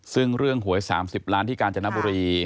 ซึ่งเรื่องหวย๓๐ล้านที่กาญจนบุรี